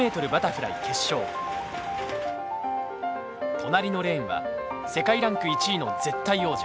隣のレーンは世界ランク１位の絶対王者